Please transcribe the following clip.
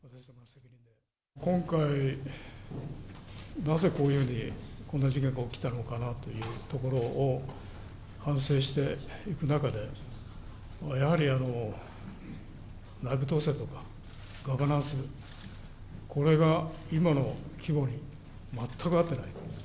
今回、なぜこういうふうに、こんな事件が起きたのかなというところを反省していく中で、やはり内部統制とか、ガバナンス、これが今の規模に全く合っていないと。